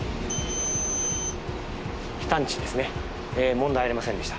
問題ありませんでした。